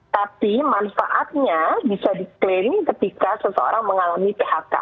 tapi manfaatnya bisa diklaim ketika seseorang mengalami phk